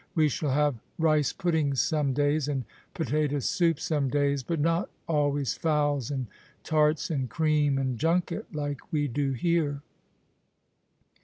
" We shall have rice puddings 216 The Christmas Hirelings. some days, and potato soup some days ; but not always fowls, and tarts, and cream, and junket, like we do here."